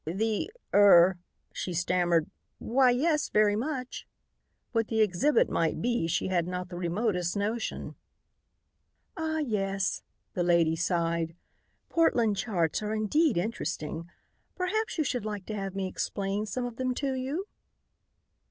"The er " she stammered. "Why, yes, very much." What the exhibit might be she had not the remotest notion. "Ah, yes," the lady sighed. "Portland charts are indeed interesting. Perhaps you should like to have me explain some of them to you?"